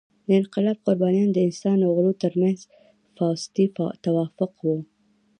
د انقلاب قربانیان د انسان او غلو تر منځ فاوستي توافق وو.